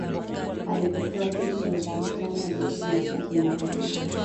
Alipopewa kiti cha usultan aliishi maisha ya kimagharibi